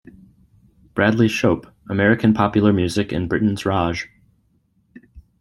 Bradley Shope, American Popular Music in Britain's Raj.